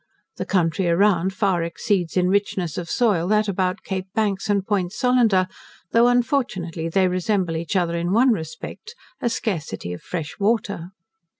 The country around far exceeds in richness of soil that about Cape Banks and Point Solander, though unfortunately they resemble each other in one respect, a scarcity of fresh water.